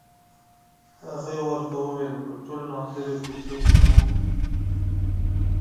هغې ورته وویل په ټول ناصرو کې څوک نه وو.